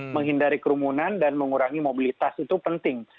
menghindari kerumunan dan mengurangi mobilitas itu penting